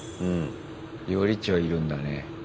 料理長いるんだね。